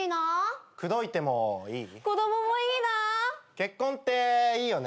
結婚っていいよね。